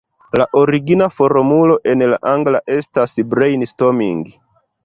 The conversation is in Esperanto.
La origina formulo en la angla estas "brainstorming".